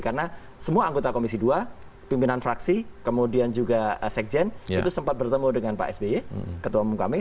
karena semua anggota komisi dua pimpinan fraksi kemudian juga sekjen itu sempat bertemu dengan pak sby ketua umum kami